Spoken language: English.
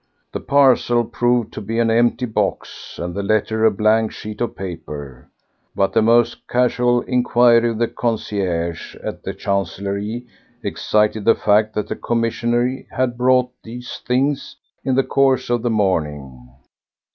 The parcel proved to be an empty box and the letter a blank sheet of paper; but the most casual inquiry of the concierge at the Chancellerie elicited the fact that a commissionaire had brought these things in the course of the morning.